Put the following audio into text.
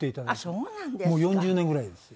もう４０年ぐらいですよ。